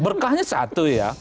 berkahnya satu ya